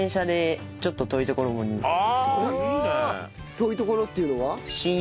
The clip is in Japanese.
遠いところっていうのは？